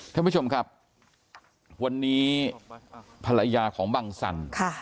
ท่านผู้ชมครับวันนี้ภรรยาของบังสัน